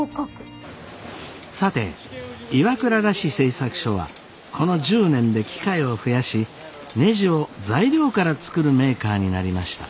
さて岩倉螺子製作所はこの１０年で機械を増やしねじを材料から作るメーカーになりました。